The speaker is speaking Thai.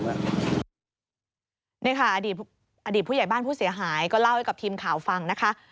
นี่ค่ะอดีตผู้ใหญ่บ้านผู้เสียหายก็เล่าให้กับทีมข่าวฟังนะคะ